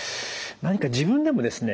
何か自分でもですね